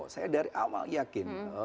saya dari awal yakin